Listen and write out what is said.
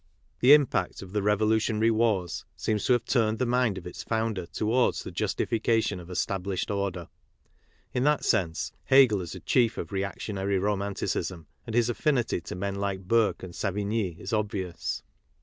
The impact of the revolutionary wars seems to have turned the mind of its founder towards the justification of estab lished order. In that sense, Hegel is a chief of reac tionary romanticism, and his affinity to men like Burke and Savigny is obvious.